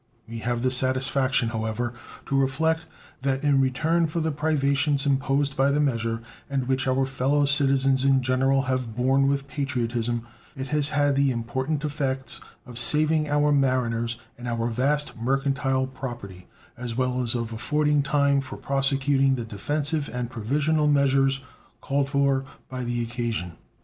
We have the satisfaction, however, to reflect that in return for the privations imposed by the measure, and which our fellow citizens in general have borne with patriotism, it has had the important effects of saving our mariners and our vast mercantile property, as well as of affording time for prosecuting the defensive and provisional measures called for by the occasion.